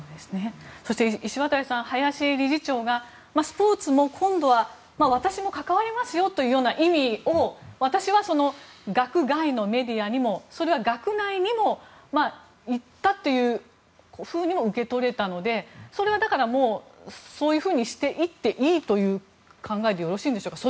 そして、石渡さん林理事長がスポーツも、今度は私も関わりますよという意味を私は学外のメディアにも学内にも言ったというふうにも受け取れたのでそういうふうにしていっていいという考えでよろしいんでしょうか。